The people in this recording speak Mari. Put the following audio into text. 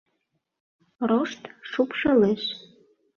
Рошт шупшылеш.